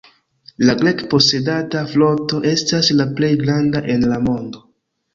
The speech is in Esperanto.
La Grek-posedata floto estas la plej granda en la mondo.